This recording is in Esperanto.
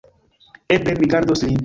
Eble mi gardos lin.